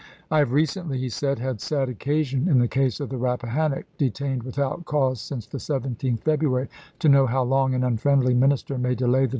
" I have recently," he said, " had sad occasion, in the case of the BappahannocJc, detained Slidell to without cause since the 17th February, to know ^^So?' how long an unfriendly minister may delay the Ms!